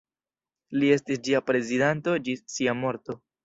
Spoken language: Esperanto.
Li estis ĝia prezidanto ĝis sia morto.